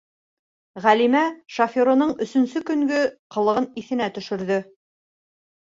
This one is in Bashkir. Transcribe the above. Ғәлимә шоферының өсөнсө көнгө ҡылығын иҫенә төшөрҙө.